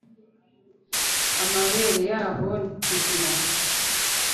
Amabere yabo nimazima.